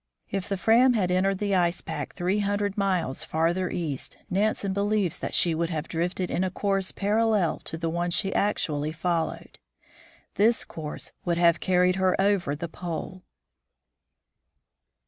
If the Pram had entered the ice pack three hundred miles farther east, Nansen believes that she would have drifted in a course parallel to the one she actually followed. This course would have carried her over the pole.